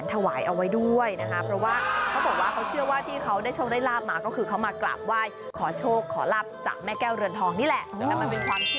แต่อยากจะมอบให้กับเธอเหลือเกิน